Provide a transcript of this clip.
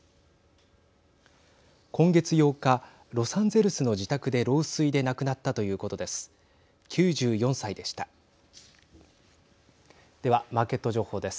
今月８日ロサンゼルスの自宅で老衰で亡くなったということです。